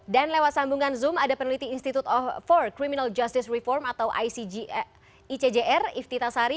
dan lewat sambungan zoom ada peneliti institut for criminal justice reform atau icjr iftita sari